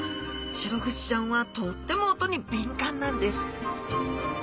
シログチちゃんはとっても音に敏感なんです